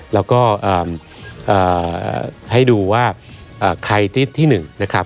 แล้วก็ให้ดูว่าใครที่๑นะครับ